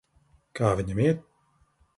Kā viņam iet?